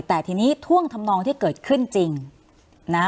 แต่ทีนี้ท่วงทำนองที่เกิดขึ้นจริงนะ